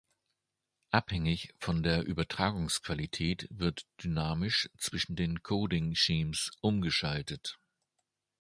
Abhängig von der Übertragungsqualität wird dynamisch zwischen den "Coding-Schemes" umgeschaltet.